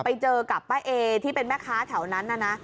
ไปเจอกับป้าเอที่เป็นแม่ค้าแถวนั้นนะ